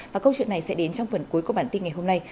và câu chuyện này sẽ đến trong phần cuối của bản tin ngày hôm nay